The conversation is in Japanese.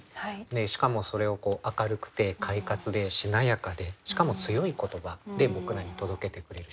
しかもそれを明るくて快活でしなやかでしかも強い言葉で僕らに届けてくれる詩人だと思いますね。